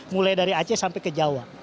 mulai dari aceh sampai ke jawa